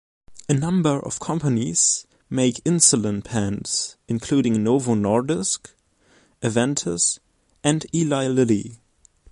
A number of companies make insulin pens including Novo Nordisk, Aventis and Eli Lilly.